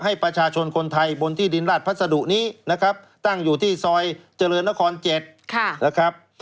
ให้ประชาชนคนไทยบนที่ดินราชพัสดุนี้นะครับตั้งอยู่ที่ซอยเจริญนคร๗นะครับ